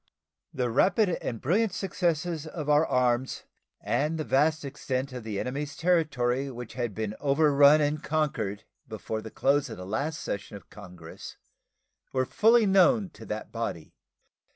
The rapid and brilliant successes of our arms and the vast extent of the enemy's territory which had been overrun and conquered before the close of the last session of Congress were fully known to that body.